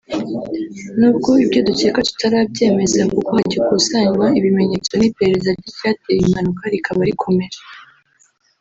Nubwo ibyo dukeka tutarabyemeza kuko hagikusanywa ibimenyetso n'iperereza ry'icyateye impanuka rikaba rikomeje